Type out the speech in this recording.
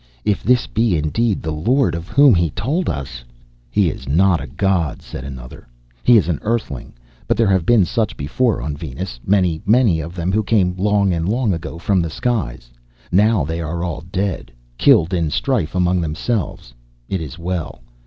"If this be indeed the Lord of whom he told us " "He is not a god," said another. "He is an Earthling, but there have been such before on Venus, many many of them who came long and long ago from the skies. Now they are all dead, killed in strife among themselves. It is well.